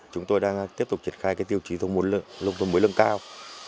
chúng tôi đang tiếp tục triển khai tiêu chí lông thôn mới lương cao